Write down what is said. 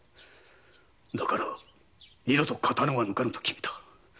だから「二度と刀は抜かぬ」と決めた。